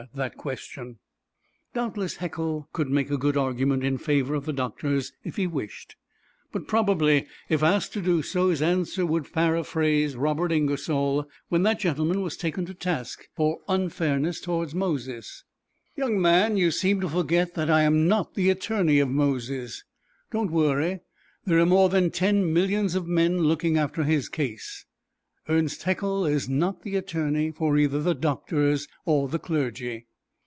Doubtless Haeckel could make a good argument in favor of the doctors if he wished, but probably if asked to do so his answer would paraphrase Robert Ingersoll, when that gentleman was taken to task for unfairness towards Moses, "Young man, you seem to forget that I am not the attorney of Moses don't worry, there are more than ten millions of men looking after his case." Ernst Haeckel is not the attorney for either the doctors or the clergy.